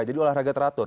jadi olahraga teratur